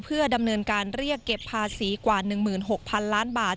เพื่อดำเนินการเรียกเก็บภาษีกว่า๑๖๐๐๐ล้านบาท